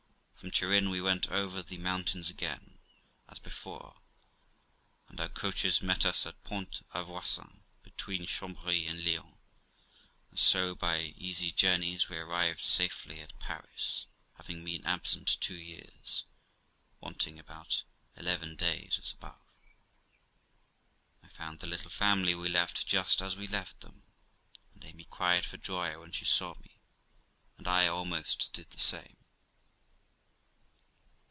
From Turin we went over the mountains again, as before, and our coaches met us at Pont a Voisin, between Chambery and Lyons; and so, by easy journeys, we arrived safely at Paris, having been absent two years, wanting about eleven days, as above. I found the little family we left just as we left them, and Amy cried for joy when she saw me, and I almost did the same.